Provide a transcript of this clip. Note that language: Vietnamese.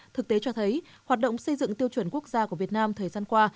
thực tế cho thấy hoạt động xây dựng tiêu chuẩn quốc gia của việt nam thời gian qua